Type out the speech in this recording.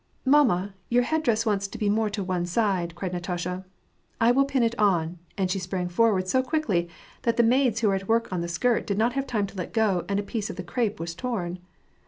" Mamma, your headdress wants to be more to one side," cried Natasha. " I will pin it on," and she sprang forward so quickly that the maids, who were at work on the skirt, did not have time to let go, and a piece of the crepe was torn.